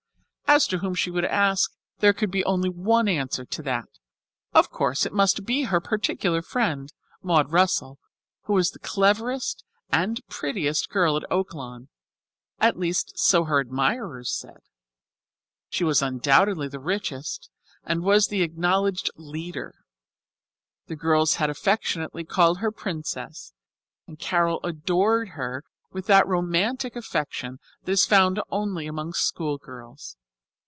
As to whom she would ask, there could be only one answer to that. Of course it must be her particular friend, Maud Russell, who was the cleverest and prettiest girl at Oaklawn, at least so her admirers said. She was undoubtedly the richest, and was the acknowledged "leader." The girls affectionately called her "Princess," and Carol adored her with that romantic affection that is found only among school girls.